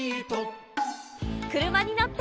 くるまにのって！